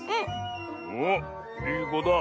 おっいいこだ。